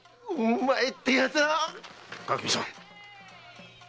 垣見さん